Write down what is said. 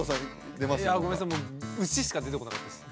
何かいやごめんなさい牛しか出てこなかったです